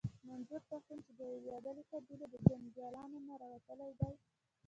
منظور پښتين چې د يوې وياړلې قبيلې د جنګياليانو نه راوتلی دی.